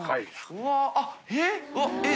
うわぁえっ！